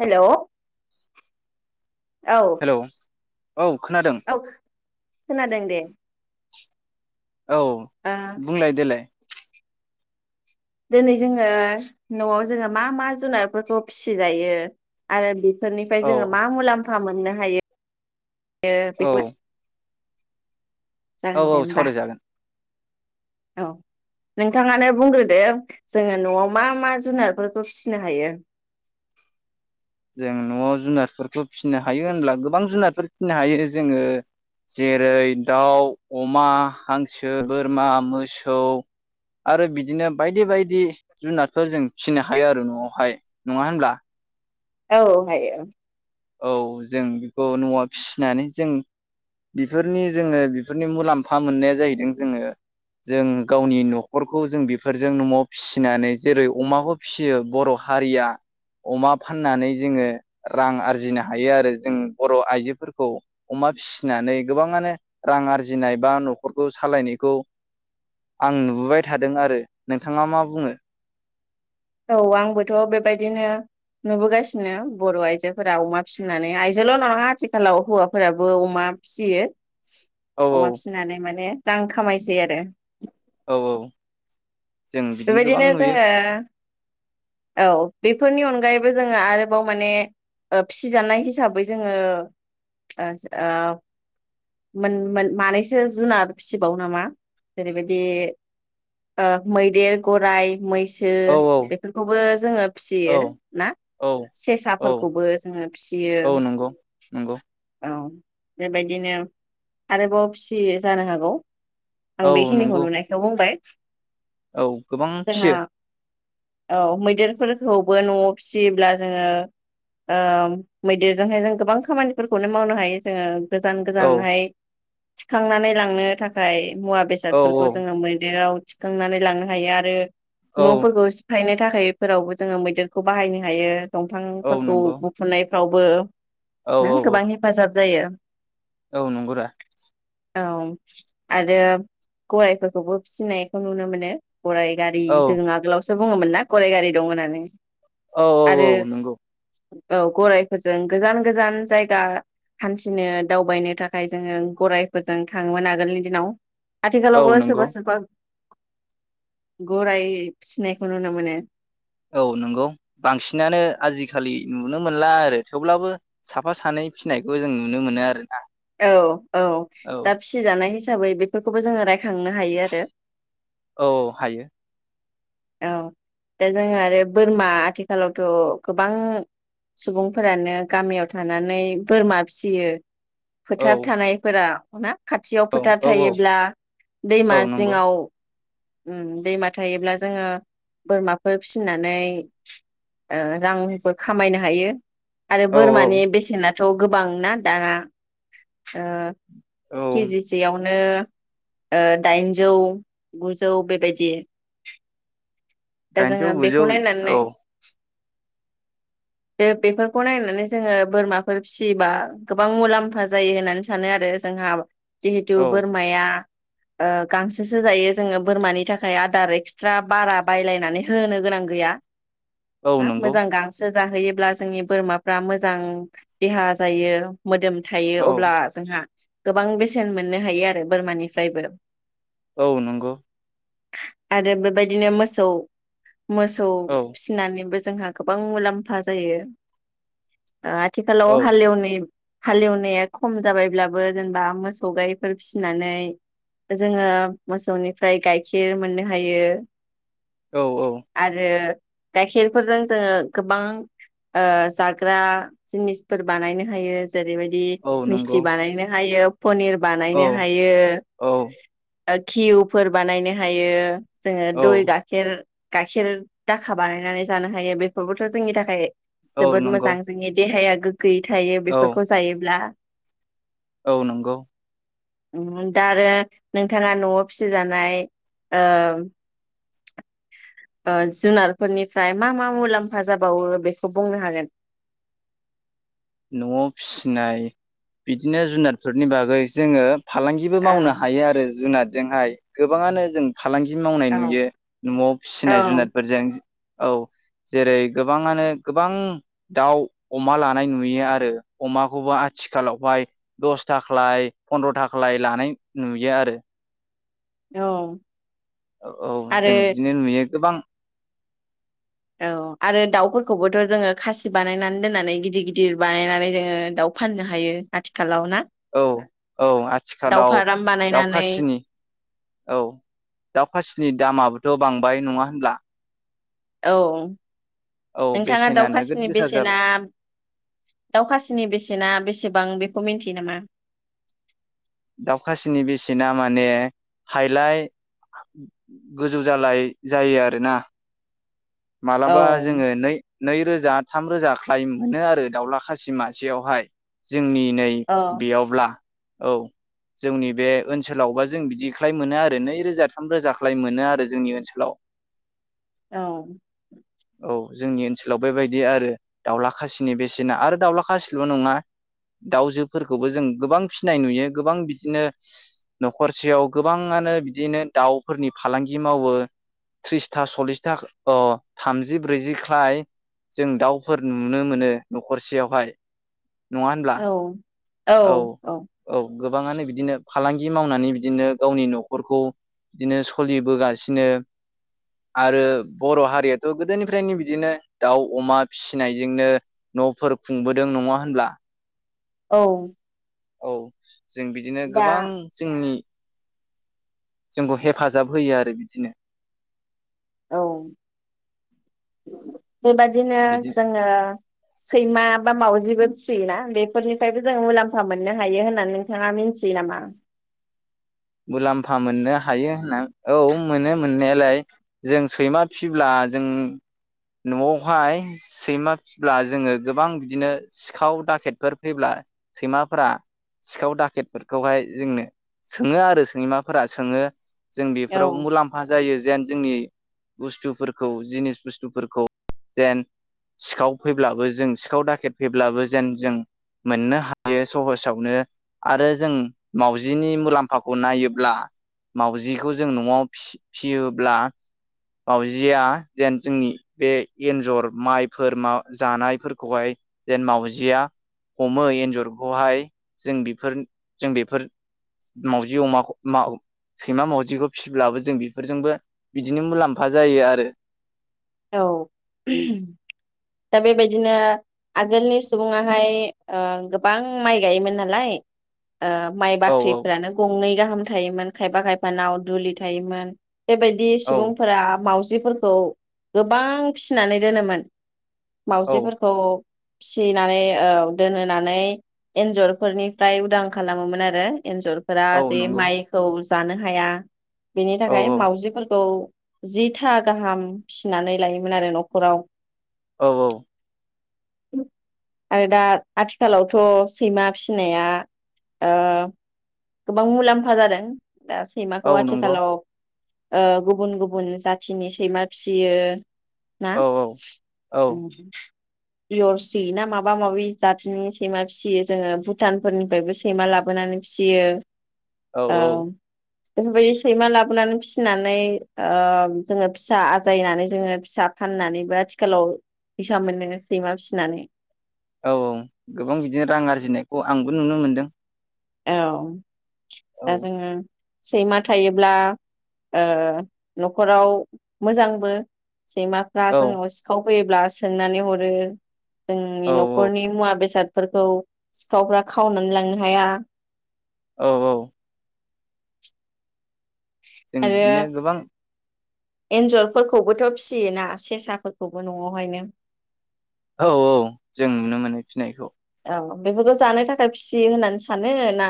Hello औ hello औ खोनादों औ खोनादों दे औ ओ बुंलाय देलाय दिनै जोङो नआव जोङो मा मा जुनारफोरखौ फिसिजायो आरो फोरनिफ्राय औ जोङो मा मुलाम्फा फा मोननो हायो यो औ बेखौ जागोन औ दे औ होमबा सावरायजागोन औ नोंथाङानो बुंग्रोदो जोङो नआव मा मा जुनारफोरखौ फिसिनो हायो? जों नआव जुनादफोरखौ फिसिनो हायो होनब्ला गोबां जुनारफोर फिनो हायो जोङो जेरै दाउ अमा हांसो बोरमा मोसौ आरो बिदिनो बायदि बायदि जुनारफोर जों फिनो हायो आरो नआवहाय नङा होनब्ला? औ हायो औ औ जों बेखौ नआव फिसिनानै जों बिफोरनि जोङो बिफोरनि मुलाम्फा मोननाया जाहैदों जोङो जों गावनि न'खरखौ जों बिफोरजों नआव फिसिनानै जेरै अमाखौ फिसियो बर हारिया अमा फाननानै जोङो रां आरजि जिनो हायो आरो जों बर' आइजोफोरखौ अमा फिसिनानै गोबाङानो रां आरजिनाय बा नखरखौ सालायनायखौ आं नुबोबाय थादों आरो नोंथाङा मा बुङो? औ आंबोथ बेबायदिनो नुबोगासिनो बर आइजोफोरा अमा फिसिनानै आयजोल' नङा आथिखालाव हौवाफोराबो अमा फियो औ औ अमा फिसिनानै माने रां खामायसै आरो औ औ जों बिदिनो गोबां बेबायदिनो नुयो जोङो औ बेफोरनि अनगायैबो जोङो आरोबाव माने ओ फिसिजानाय हिसाबै जोङो ओ ओ मोन मानैसो जुनार फिसिबावो नामा जेरैबायदि मैद देर गराय मैसो औ औ बेफोरखौबो जोङो औ फिसियो ना औ औ सेसाफोरखौबो जोङो फिसियो औ नंगौ नंगौ औ बेबायदिनो आरोबाव फिसियो जानो हागौ आं औ बेखिनिखौ नंगौ नुनायखौ बुंबाय औ गोबां जोंहा फियो। औ मैदेरफोरखौबो न'आव फिसियोब्ला जोंङो ओ मैदेरजोंहाय जों गोबां खामानिफोरखौनो मावनो हायो जोंङो औ गोजान-गोजानहाय थिखांनानै लांनो थाखाय मुवा औ बेसादफोरखौ जोंङो मैदेराव थिखांनानै लांनो हायो आरो औ न'फोरखौ सिफायनो थाखाय इफोरावबो जोंङो मैदेरखौ बाहायनो हायो। औ दंफांफोरखौ नंगौ बुखुनाय फ्रावबो औ नो औ औ गोबां हेफाजाब जायो। औ नंगौ रा। औ आरो गरायफोरखौबो फिसिनायखौ नुनो मोनो। गराय गारि औ जों आगोलावसो बुंङोमोन ना गराय गारि दं होननानै। औ औ औ आरो नंगौ। औ गरायफोरजों गोजान-गोजान जायगा हान्थिनो दावबायनो थाखाय जोंङो गरायफोरजों थांङोमोन आगोलनि दिनाव। औ आथिखालाव बो नंगौ सोरब-सोरबा गराय फिनायखौ नुनो मोनो। औ नंगौ बांसिनानो आजिखालि नुनो मोनला आरो थेवब्लाबो साफा सानै फिनायखौ जों नुनो मोनो आरोना। औ औ औ दा फिसिजानाय हिसाबै बेफोरखौबो जोंङो रायखांनो हायो आरो। औ हायो। औ दा जोंहा आरो बोरमा आथिखालावथ' गोबां सुबुंफोरानो गामियाव थानानै बोरमा फिसियो औ फोथार थानायफोरा ना। खाथियाव औ फोथार औ औ थायोब्ला दैमा औ नंगौ जिंङाव अम दैमा थायोब्ला जोंङो बोरमाफोर फिनानै ओ रांबो खामायनो हायो। आरो औ औ बोरमानि बेसेना थ' गोबांना दाना ओ औ केजिसेयाव नो दाइनजौ गुजौ बेबायदि। दा दाइनजौ जोङो बेखौ गुजौ नायनानै औ बे बेफोरखौ नायनानै जोंङो बोरमाफोर फिसियोबा गोबां मुलाम्फा जायो होननानै सानो आरो। जोंहा जिहेटु औ बोरमाया ओ गांसोसो जायो जोंङो बोरमानि थाखाय आदार एक्सट्रा बारा बायलायनानै होनो गोनां गैया। औ हा नंगौ मोजां गांसो जाहोयोब्ला जोंनि बोरमाफ्रा मोजां देहा जायो मोदोम औ थायो अब्ला जोंहा गोबां बेसेन मोननो हायो आरो बोरमानिफ्रायबो। औ नोंगौ आरो बेबायदिनो मोसौ मोसौ औ फिसिनानै बो जोंहा गोबां मुलाम्फा जायो। ओ आथिखालाव औ हालेवनि हालेवनाया खम जाबायब्ला बो जेनबा मोसौ गायफोर फिसिनानै जोंङो मोसौनिफ्राय गायखेर मोननो हायो। औ औ आरो गायखेरफोरजों जोंङो गोबां ओ जाग्रा जिनिसफोर बानायनो हायो। जेरैबायदि औ मिस्टि नंगौ बानायनो हायो। पनिर औ बानायनो हायो। औ घिउफोर बानायनो हायो। जोंङो औ दइ गाखेर गायखेर दाखा बानायनानै जानो हायो बेफोरबोथ जोंनि थाखाय औ जोबोद नंगौ मोजां जोंनि देहाया गोयै थायो औ बेफोरखौ जायोब्ला। औ नोंगौ दा आरो नोंथाङा नआव फिसिजानाय ओ ओ जुनारफोरनिफ्राय मा मा मुलाम्फा जाबावो बेखौ बुंनो हागोन। नआव फिसिनाय बिदिनो जुनाद फोरनि बागै जोंङो फालांगिबो मावनो औ हायो आरो जुनादजोंहाय। गोबांङानो जों फालांगि मावनाय औ नुयो नआव फिसिनाय औ जुनादफोरजों औ जेरै गोबांङानो गोबां दाउ अमा लानाय नु यो आरो अमाखौबो आथिखालावहाय दस थाख्लाय फन्द्र थाख्लाय लानाय नुयो आरो। औ औ आरो जों बिदिनो नुयो गोबां औ आरो दाउफोरखौबोथ' जोंङो खासि बानायनानै दोननानै गिदिर-गिदिर बानायनानै जोंङो दाउ फाननो हायो आथिखालाव ना। औ औ दाउ आथिखालाव फाराम बानायनानै दावखासिनि औ दाउखासिनि दामाबो थ' बांबाय नङा होनब्ला? औ औ नोंथाङा बेसेना नोगोद दाउखासिनि गोसा बेसेना जाबाय दाउखासिनि बेसेना बेसेबां बे खौ मिन्थियो नामा? दाउखासिनि बेसेना माने हायलाय गोजौ जालाय जायो आरोना। औ मालाबा जोङो नै नैरोजा थाम रोजा ख्लायम मोनो आरो दाउला खासि मासेयावहाय जोंनि नै औ बेयावब्ला औ जोंनि बे ओनसोलावबा जों बिदिख्लाय मोनो आरो नैरोजा थाम रोजा ख्लाय मोनो आरो जोंनि ओनसोलाव। औ औ जोंनि ओनसोलाव बेबायदि आरो दाउला खासिनि बेसेना आरो दाउला खासिल नङा दाउजोफोरखौबो जों गोबां फिनाय नुयो गोबां बिदिनो न'खरसेयाव गोबाङानो बिदिनो दाउफोरनि फालांगि मावो थ्रिसथा सल्लिसथा ख अ थामजि ब्रैजि ख्लाय जों दाउफोर नुनो मोनो नखरसेयावहाय। नङा होनब्ला? औ औ औ गोबाङानो बिदिनो फालांगि मावनानै बिदिनो गावनि नखरखौ बिदिनो सलिबोगासिनो आरो बर' हारियाथ गोदोनिफ्रायनो बिदिनो दाउ अमा फिसिनायजोंनो नफोर खुंबोदों। नङा होनब्ला? औ औ जों बिदिनो दा गोबां जोंनि जोंखौ हेफाजाब होयो आरो बिदिनो। औ बेबायदिनो बिदि जोङो सैमा बा मावजिबो फिसियोना बेफोरनिफ्रायबो जों मुलाम्फा मोननो हायो होननानै नोंथाङा मिथियो नामा? मुलाम्फा मोननो हायो होनना औ मोनो मोननायालाय जों सैमा फिब्ला जों नआवहाय सैमा फिब्ला जोङो गोबां बिदिनो सिखाव दाखेटफोर फैब्ला सैमाफोरा सिखाव दाखेटफोरखौहाय जोंनो स सोङो आरो सैमाफोरा सोङो जों बेफोराव औ मुलाम्फा जायो जेन जोंनि बुस्थुफोरखौ जिनिस बुस्थुफोरखौ जेन सिखाव फैब्लाबो जों सिखाव दाखेट फैब्लाबो जेन जों मोननो हायो सहसावनो आरो जों मावउजिनि मुलाम्फ फाखौ नायोब्ला मावाउजिखौ जों नआव फि फियोब्ला मावाजिया जेन जोंनि बे एन्जर माइफोर माबा जानायफोरखौहाय जेन मावाउजिया हमो एन्जरखौहाय जों बेफोर जों बेफोर मावजि अमाखौ माव सैमा मावजिखौ फिसिब्लाबो जों बेफोरजोंबो बिदिनो मुलाम्फा जायो आरो। औ दा बेबायदिनो आगोलनि सुबुङाहाय ओ गोबां माइ गायोमोन नालाय ओ माइ औ बाख्रिफ्रानो गंनै गाहाम थायोमोन खायफा खायफा नाव दुलि थायोमोन। बेबायदि औ सुबुंफोरा मावजि फोरखौ गोबां फिसिनानै दोनोमोन औ मावजिफोरखौ फिसिनानै ओ दोनहोनानै एन्जरफोरनिफ्राय उदां खालामोमोन आरो। एन्जरफोरा औ जे नंगौ माइखौ जानो हाया। बेनि औ थाखाय औ मावाउजिफोरखौ जिथा गाहाम फिसिनानै लायोमोन आरो न'खराव औ औ। आरो दा आथिखालावथ' सैमा फिसिनाया ओ गोबां मुलाम्फा जादों। दा सैमाखौ औ नंगौ आथिखालाव ओ गुबुन गुबुन जाथिनि सैमा फिसियो। ना औ औ इयरसि ना माबा माबि जातनि सैमा फिसियो जोङो भुटानफोरनिफ्रायबो सैमा लाबोनानै फियो। औ औ। बेफोरबायदि सैमा लाबोनानै फिसिनानै ओ जोङो फिसा आजायनानै जोङो फिसा फाननानैबो आथिखालाव फैसा मोनो सैमा फिसिनानै। औ औ गोबां बिदिनो रां आरजिनायखौ आंबो नुनो मोनदों। औ। औ दा जोङो सैमा थायोब्ला ओ न'खराव मोजांबो सैमाफ्रा औ जोंनाव सिखाव फैयोब्ला सोंननानै हरो। जोंनि औ न'खरनि मुवा बेसाद फोरखौ सिखावफ्रा खावनानै लांनो हाया। औ औ। जों आरो बिदिनो गोबां एन्जरफोरखौबोथ' फिसियोना सेसाफोरखौबो न'आवहायनो। औ औ जों नुनो मोनो फिनायखौ। औ बेफोरखौ जानो थाखाय फिसियो होननानै सानो ना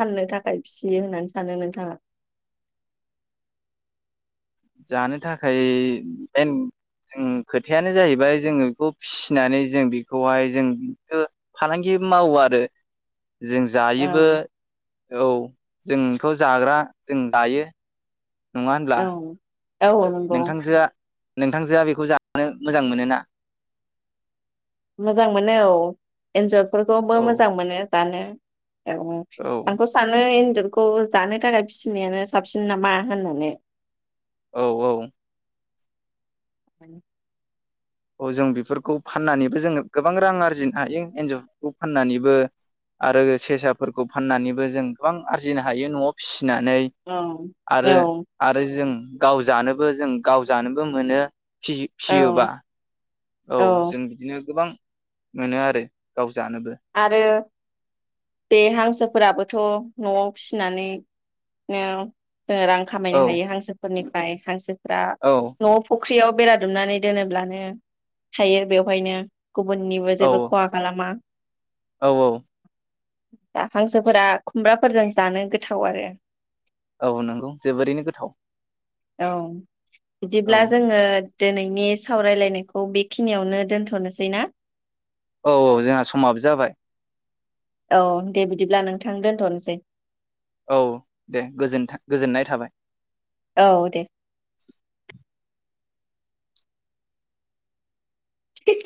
फाननो थाखाय फिसियो होननानै सानो नोंथाङा? जानो थाखाय मेन खोथायानो जाहैबाय जोङो बेखौ फिसिनानै जों बेखौहाय जों फालांगि मावो आरो। जों औ जायोबो औ। जोंथ' जाग्रा जों जायो। नङा होनब्ला? औ औ नंगौ। नोंथांजोआ नोंथांजोआ बेखौ जानो मोजां मोनोना? मोजां मोनो औ इन्जर फोरखौबो औ मोजां मोनो। जानो। औ आंथ' सानो बेदरखौ जानो थाखाय फिसिनायानो साबसिन नामा होननानै। औ औ। [inaudible] औ जों बेफोरखौ फाननानैबो जों गोबां रां आरजिनो हायो एन्जरफोरखौ फाननानैबो आरो सेसाफोरखौ फाननानैबो जों गोबां आरजिनो हायो न'आव फिसि नानै औ आरो औ आरो जों गाव जानोबो जों गाव जानोबो मोनो। औ फिसि-फिसियोबा। औ जों बिदिनो गोबां मोनो आरो गाव जानोबो आरो बे हांसोफोराबोथ' न'आव फिसिनानैनो जोंङो रां खामायनो औ हायो हांसोफोरनि फ्राय हांसो फ्रा औ न'आव फुख्रियाव बेरा दुमनानै दोनोब्लानो थायो बेवहायनो। गुबुननिबो औ जेबो खहा खालामा। औ औ। दा हांसोफोरा खुमब्राफोरजों जानो गोथाव आरो। औ नंगौ जोबोरैनो गोथाव। औ। औ बिदिब्ला जोंङो दोनैनि सावरायलायनायखौ बेखिनियावनो दोन्थ'नोसै ना औ औ जोंहा समाबो जाबाय। औ दे बिदिब्ला नोंथां दोनथ'नोसै। औ दे गोजोनथा-गोजोननाय थाबाय। औ दे।